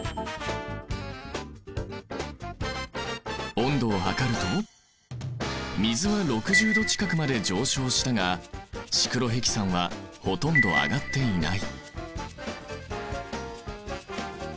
温度を測ると水は６０度近くまで上昇したがシクロヘキサンはほとんど上がっていない。